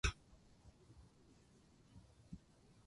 食べた後は眠い